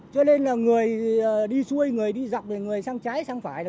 cho nên là người đi xuôi người đi dọc về người sang trái sang phải